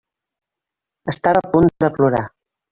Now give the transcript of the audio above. Estava a punt de plorar.